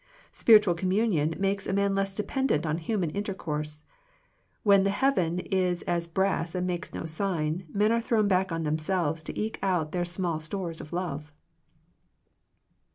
Spiritual communion makes a man less dependent on human inter course. When the heaven is as brass and makes no sign, men are thrown back on themselves to eke out their small stores of love.